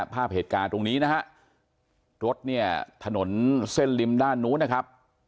ภาพเหตุการณ์ตรงนี้นะฮะรถเนี่ยถนนเส้นริมด้านนู้นนะครับ